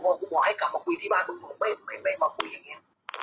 พอกูบอกให้กลับมาคุยที่บ้านผมไม่มาคุยอย่างนี้